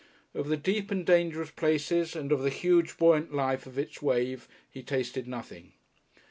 Of the deep and dangerous places, and of the huge buoyant lift of its waves, he tasted nothing.